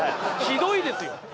ひどいですよ